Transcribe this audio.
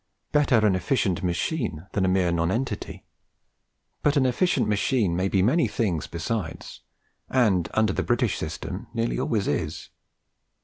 Better an efficient machine than a mere nonentity; but an efficient machine may be many things besides, and, under the British system, nearly always is.